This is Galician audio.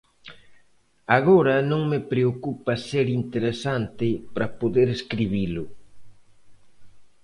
Agora non me preocupa ser interesante para poder escribilo.